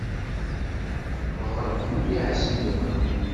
Ɣleq mliḥ asenduq-nni.